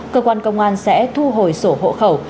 cơ quan công an sẽ thu hồi sổ hộ khẩu